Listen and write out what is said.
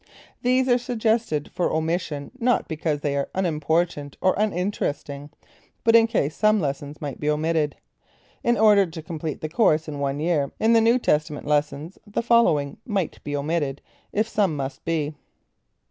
These are suggested for omission not because they are unimportant or uninteresting, but in case some lessons must be omitted. In order to complete the course in one year in the New Testament lessons, the following might be omitted, if some must be.